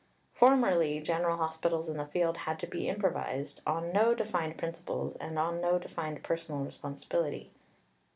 Formerly, general hospitals in the field had to be improvised, on no defined principles and on no defined personal responsibility.